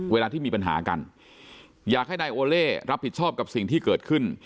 เวลาที่มีปัญหากันอยากให้นายโอเล่รับผิดชอบกับสิ่งที่เกิดขึ้น